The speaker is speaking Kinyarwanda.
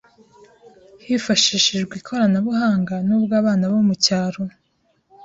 hifashishijwe ikoranabuhanga, n’ubwo abana bo mu cyaro